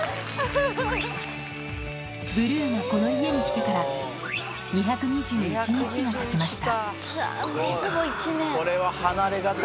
ブルーがこの家に来てから２２１日がたちました。